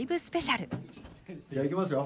じゃあいきますよ。